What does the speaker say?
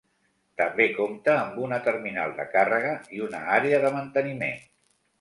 També compta amb una terminal de càrrega i una àrea de manteniment.